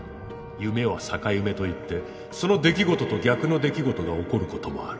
「夢は逆夢」と言ってその出来事と逆の出来事が起こることもある。